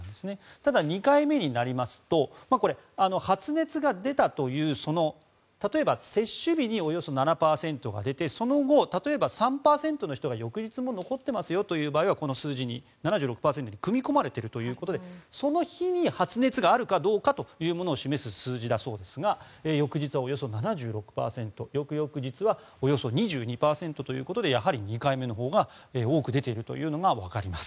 ただ、２回目になりますと発熱が出たという例えば、接種日におよそ７％が出てその後、例えば３％の人が翌日も残っていますよという場合はこの数字に７６％に組み込まれているということでその日に発熱があるかどうかというものを示す数字だそうですが翌日はおよそ７６％翌々日はおよそ２２％ということでやはり２回目のほうが多く出ているというのがわかります。